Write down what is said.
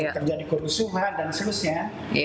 terjadi kerusuhan dan selusnya